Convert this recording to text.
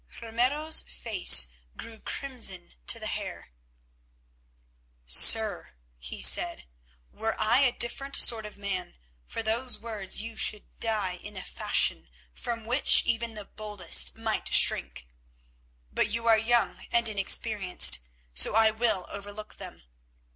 Ramiro's face grew crimson to the hair. "Sir," he said, "were I a different sort of man, for those words you should die in a fashion from which even the boldest might shrink. But you are young and inexperienced, so I will overlook them.